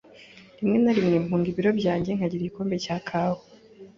Rimwe na rimwe mpunga ibiro byanjye nkagira igikombe cya kawa.